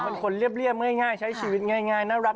เป็นคนเรียบง่ายใช้ชีวิตง่ายน่ารัก